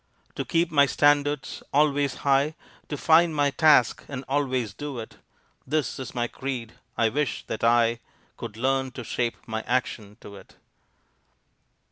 To keep my standards always high, To find my task and always do it; This is my creed I wish that I Could learn to shape my action to it.